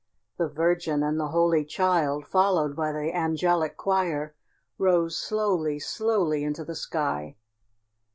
The Virgin and the Holy Child, followed by the angelic choir, rose slowly, slowly into the sky.